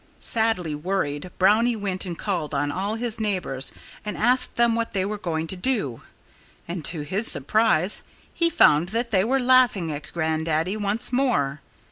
Sadly worried, Brownie went and called on all his neighbors and asked them what they were going to do. And to his surprise he found that they were laughing at Grandaddy once more.